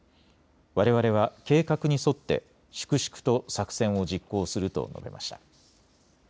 われわれは計画に沿って粛々と作戦を実行すると述べました。